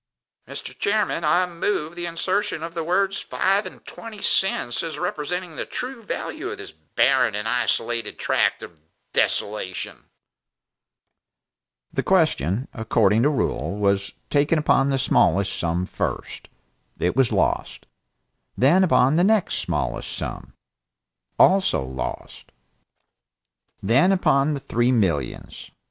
Mr. Clawson "Mr. Chairman, I move the insertion of the words five and twenty cents, as representing the true value of this barren and isolated tract of desolation." The question, according to rule, was taken upon the smallest sum first. It was lost. Then upon the next smallest sum. Lost, also. And then upon the three millions.